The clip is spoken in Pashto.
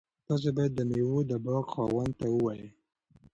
تاسي باید د میوو د باغ خاوند ته ووایئ.